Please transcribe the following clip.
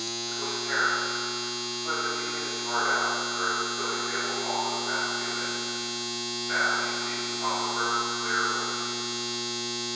It was Terence, who had been eating his heart out during the silly table talk of the past few minutes. Now he seized upon the first clear opening.